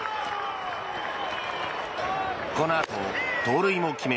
このあと盗塁も決め